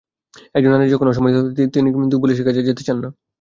একজন নারী যখন অসম্মানিত হন, তিনি কিন্তু পুলিশের কাছে যেতে চান না।